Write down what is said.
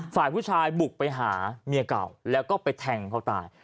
ฝ่ายผู้ชายบุกไปหาเมียเก่าแล้วก็ไปแทงเขาตาย